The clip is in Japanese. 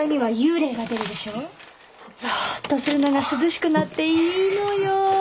ぞっとするのが涼しくなっていいのよ。